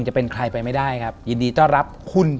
แต่ขอให้เรียนจบปริญญาตรีก่อน